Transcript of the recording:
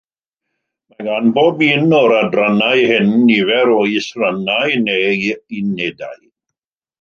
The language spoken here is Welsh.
Mae gan bob un o'r adrannau hyn nifer o is-rannau neu unedau.